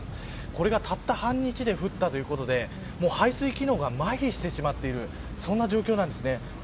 これが、たった半日で降ったということで排水機能がまひしてしまっているそんな状況なんですね。